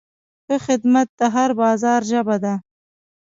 ښه خدمت د هر بازار ژبه ده.